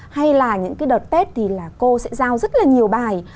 hay là những cái đợt tết thì là cô sẽ giao rất là nhiều bài